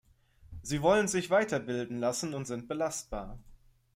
Sie wollen sich weiterbilden lassen und sind belastbar.